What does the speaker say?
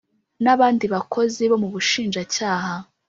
n abandi bakozi bo mu Bushinjacyaha